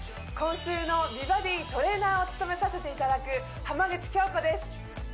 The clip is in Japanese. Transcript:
今週の美バディトレーナーを務めさせていただく浜口京子です